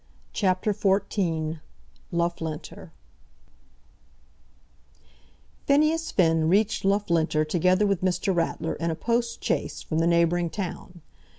CHAPTER XIV Loughlinter Phineas Finn reached Loughlinter together with Mr. Ratler in a post chaise from the neighbouring town.